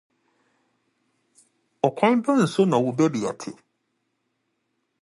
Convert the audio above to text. Ɔkwan bɛn so na wo babea te?